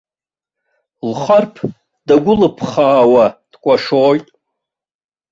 Лхарԥ дагәылԥхаауа дкәашоит.